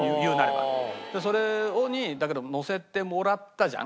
それにだけど乗せてもらったじゃん？